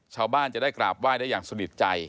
ชาวบ้านจะได้กราบไหว้ได้อย่างสนิทใจ